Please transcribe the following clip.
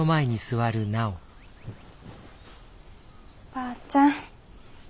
ばあちゃん